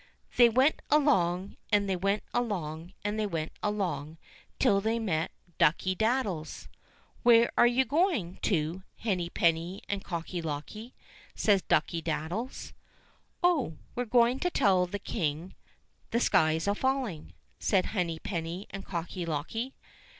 They went along, and they went along, and they went along, till they met Ducky daddies. "Where are you going to, Henny penny and Cocky locky?" says Ducky daddies. "Oh! we're going to tell the King the sky's a falling," said Henny penny and Cocky locky.